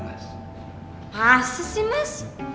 masa sih mas